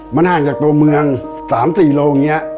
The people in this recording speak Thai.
มันห่างจากตัวเมือง๓๔โลอย่างนี้